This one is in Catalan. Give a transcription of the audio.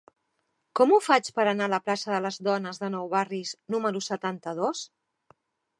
Com ho faig per anar a la plaça de Les Dones de Nou Barris número setanta-dos?